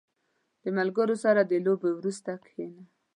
• د ملګرو سره د لوبې وروسته کښېنه.